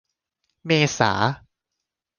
เมษา